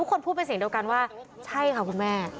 ทุกคนพูดเป็นสิ่งเดียวกันว่าใช่ค่ะคุณแม่